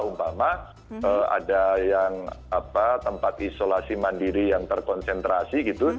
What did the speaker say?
umpama ada yang tempat isolasi mandiri yang terkonsentrasi gitu